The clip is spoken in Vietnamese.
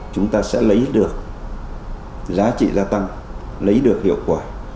chúng ta sẽ lấy được giá trị gia tăng lấy được hiệu quả